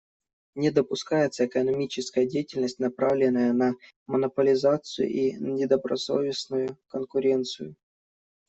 Не допускается экономическая деятельность, направленная на монополизацию и недобросовестную конкуренцию.